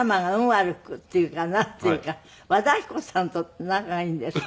悪くっていうかなんていうか和田アキ子さんと仲がいいんですって？